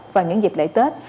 và những dịp lễ tết